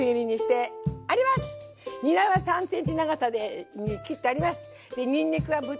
ニラは３ｃｍ長さに切ってあります。